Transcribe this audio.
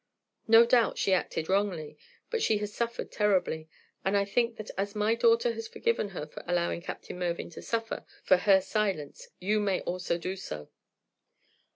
No doubt she acted wrongly; but she has suffered terribly, and I think that as my daughter has forgiven her for allowing Captain Mervyn to suffer for her silence, you may also do so."